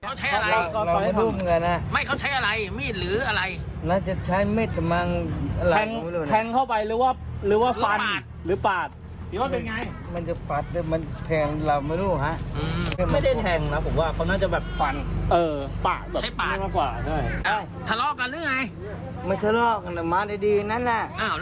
ว่าบ้านมาลวกเรื่องนี้อ่า